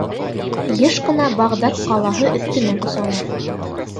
Йыш ҡына Бағдад ҡалаһы өҫтөнән осалар.